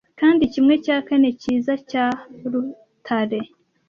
kandi kimwe cya kane cyiza cya rutare